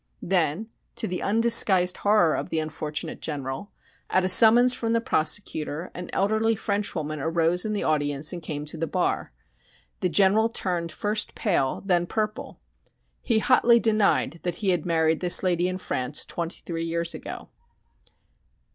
Then, to the undisguised horror of the unfortunate General, at a summons from the prosecutor an elderly French woman arose in the audience and came to the bar. The General turned first pale, then purple. He hotly denied that he had married this lady in France twenty three years ago.